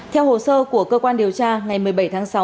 theo hồ sơ của cơ quan điều tra ngày một mươi bảy tháng sáu